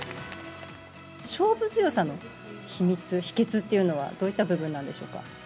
勝負強さの秘密、秘けつというのはどういった部分なんでしょうか。